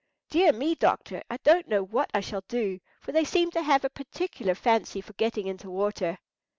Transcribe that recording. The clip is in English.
"Dear me, doctor, I don't know what I shall do, for they seem to have a particular fancy for getting into water."